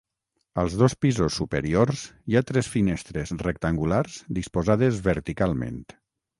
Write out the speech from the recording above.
Als dos pisos superiors, hi ha tres finestres rectangulars disposades verticalment.